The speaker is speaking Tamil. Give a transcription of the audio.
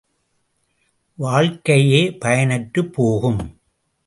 வாழ்க்கையே பயனற்றுப் போகும்.